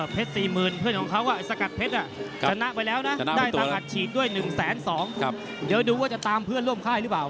๔๐๐๐เพื่อนของเขาสกัดเพชรชนะไปแล้วนะได้ตังค์อัดฉีดด้วย๑๒๐๐บาทเดี๋ยวดูว่าจะตามเพื่อนร่วมค่ายหรือเปล่า